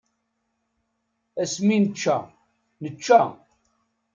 Asmi nečča, nečča.